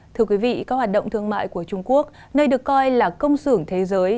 thưa quý vị các hoạt động thương mại của trung quốc nơi được coi là công sưởng thế giới